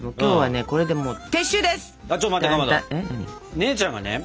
姉ちゃんがね